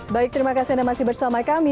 baik terima kasih anda masih bersama kami